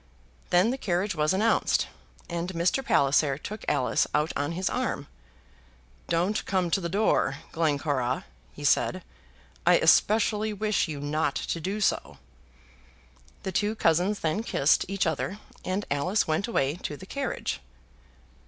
Then the carriage was announced, and Mr. Palliser took Alice out on his arm. "Don't come to the door, Glencora," he said. "I especially wish you not to do so." The two cousins then kissed each other, and Alice went away to the carriage.